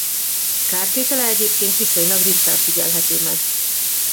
Kártétele egyébként viszonylag ritkán figyelhető meg.